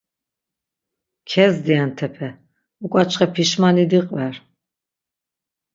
Kezdi entepe, uǩaçxe pişmani diqver.